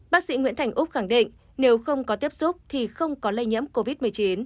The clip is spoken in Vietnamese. bác sĩ nguyễn thành úc khẳng định nếu không có tiếp xúc thì không có lây nhiễm covid một mươi chín